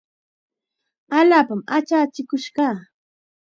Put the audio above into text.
Allaapam achachikush kaa.